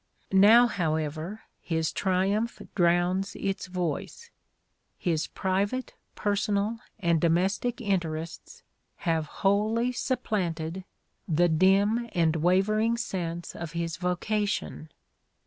Now, however, his triumph drowns its voice : his private, personal and domestic interests have whoUy supplanted the dim and wavering sense of his vocation.